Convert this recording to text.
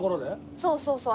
そうそうそう。